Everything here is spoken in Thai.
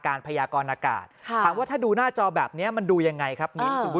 การพยากรณากาศถ้าดูหน้าจอแบบนี้มันดูยังไงครับ